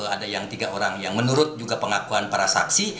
ada yang tiga orang yang menurut juga pengakuan para saksi